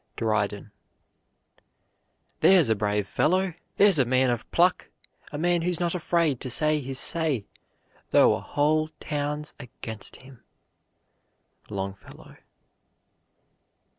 DRYDEN. There's a brave fellow! There's a man of pluck! A man who's not afraid to say his say, Though a whole town's against him. LONGFELLOW.